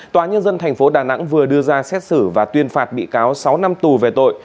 tòa nhân dân tp đà nẵng vừa đưa ra xét xử và tuyên phạt bị cáo sáu năm tù về tội